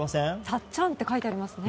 たっちゃんって書いてありますね。